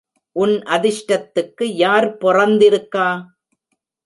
உன் அதிஷ்டத்துக்கு யார் பொறந்திருக்கா.